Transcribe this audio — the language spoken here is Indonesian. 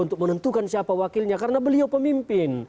untuk menentukan siapa wakilnya karena beliau pemimpin